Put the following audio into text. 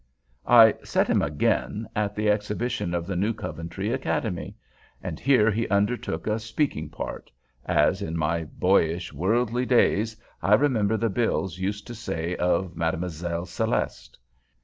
I "set him again" at the exhibition of the New Coventry Academy; and here he undertook a "speaking part"—as, in my boyish, worldly days, I remember the bills used to say of Mlle. Celeste.